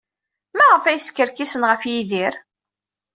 Maɣef ay skerkisen ɣef Yidir?